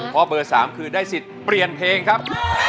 ข้อเบอร์๓คือได้สิทธิ์เปลี่ยนเพลงครับ